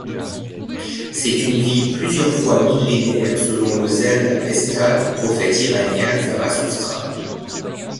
C'est une ville plusieurs fois millénaire selon le Zend Avesta du prophète iranien Zarathoustra.